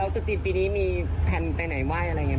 แล้วทุกทีปีนี้มีแผ่นไปไหนไหว้อะไรอย่างนี้ไหมค่ะ